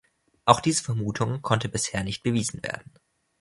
Auch diese Vermutung konnte bisher nicht bewiesen werden.